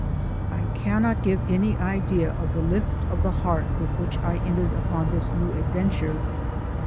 I cannot give any idea of the lift of the heart with which I entered upon this new adventure.